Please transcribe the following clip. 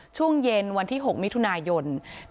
ช่วงเย็นวันที่๖มิถุนายน